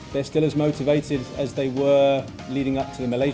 saya tidak pikir ada perbedaan dalam mentalitas